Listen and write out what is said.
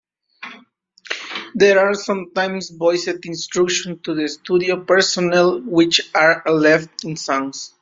There are sometimes voiced instructions to the studio personnel which are left in songs.